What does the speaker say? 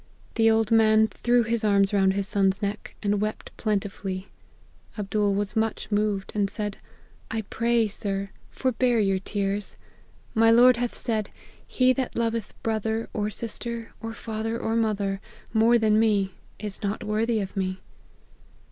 The old man threw his arms round his son's neck, and wept plentifully. Abdool was much moved, and said, * I pray, sir, forbear your tears. My Lord hath said, He that loveth brother, or sister, or father, or mother, more than me, is not worthy of me.'